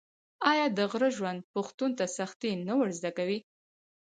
آیا د غره ژوند پښتون ته سختي نه ور زده کوي؟